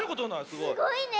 すごいね。